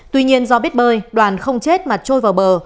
tuy nhiên do biết bơi đoàn không chết mà trôi vào bờ